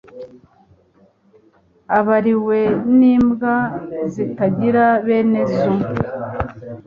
Abariwe n'imbwa zitagira bene zo